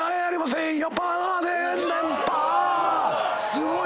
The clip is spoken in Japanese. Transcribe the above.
すごい！